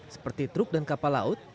seperti truk dan kapal laut